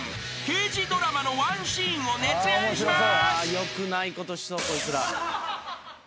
刑事ドラマのワンシーンを熱演します］